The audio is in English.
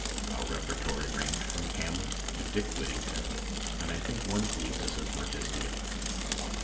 Our repertory ranged from "Hamlet" to "Dick Whittington," and I think one pleased us as much as the other.